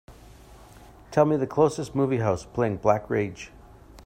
Tell me the closest movie house playing Black Rage